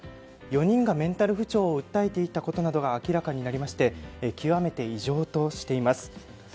４人がメンタル不調を訴えていたことが明らかになり極めて異常としています。